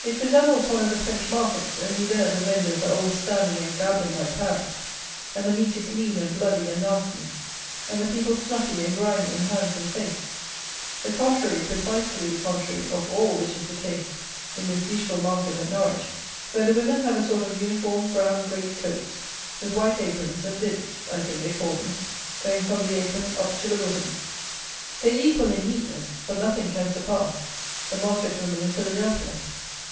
It resembles one of the French markets, only there the vendors are all standing and gabbling like parrots, and the meat is lean and bloody and nasty, and the people snuffy and grimy in hands and face, the contrary, precisely the contrary of all which is the case in this beautiful market at Norwich, where the women have a sort of uniform brown great coats, with white aprons and bibs (I think they call them) going from the apron up to the bosom. They equal in neatness (for nothing can surpass) the market women in Philadelphia.